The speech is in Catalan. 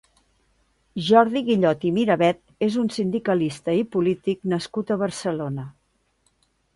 Jordi Guillot i Miravet és un sindicalista i polític nascut a Barcelona.